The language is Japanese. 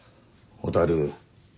蛍。